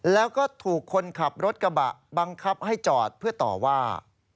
แล้วก็ถูกคนขับรถกระบะบังคับให้จอดเพื่อต่อว่า